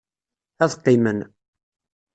Ad qqimen.